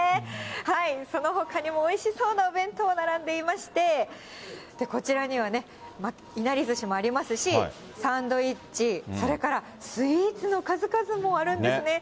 そのほかにもおいしそうなお弁当並んでいまして、こちらにはね、いなりずしもありますし、サンドイッチ、それからスイーツの数々もあるんですね。